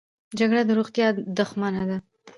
جګړه د روغتیا دښمنه ده